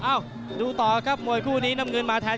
ดูต่อครับมวยคู่นี้น้ำเงินมาแทน